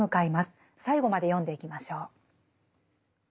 最後まで読んでいきましょう。